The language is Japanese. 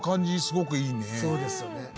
そうですよね。